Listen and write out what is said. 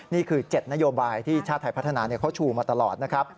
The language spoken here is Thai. นี่คือ๗นโยบายที่ชาติไทยพัฒนาเขาชูมาตลอดนะครับ